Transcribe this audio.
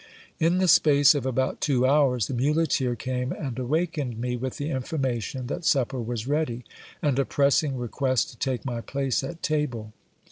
In the space of about two hours, the muleteer came and awakened me, with the information that supper was ready, and a pressing request to take my place at table.